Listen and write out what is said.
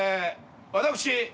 私